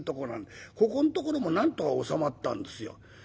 ここのところもなんとか収まったんですよ。